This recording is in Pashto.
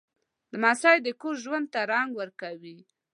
لمسی د کور ژوند ته رنګ ورکوي.